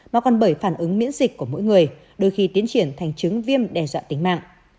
mà còn bởi phản ứng miễn dịch của mỗi người đôi khi tiến triển thành chứng viêm đe dọa tính mạng